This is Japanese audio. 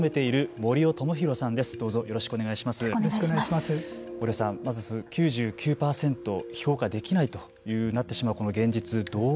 森尾さん、まず９９％評価できないとなってしまう